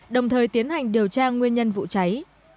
đồng thời tiến hành điều tra nguyên nhân vụ cháy